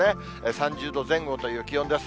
３０度前後という気温です。